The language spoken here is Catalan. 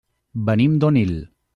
Venim d'Onil.